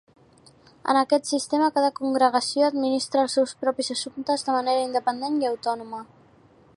En aquest sistema cada congregació administra els seus propis assumptes de manera independent i autònoma.